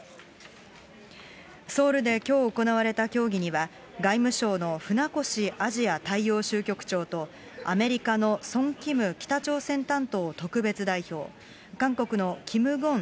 ソウルできょう行われた協議には、外務省の船越アジア大洋州局長と、アメリカのソン・キム北朝鮮担当特別代表、韓国のキム・ゴン